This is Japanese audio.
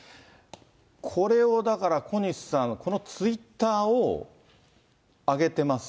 これを、だから、小西さん、このツイッターを上げてます。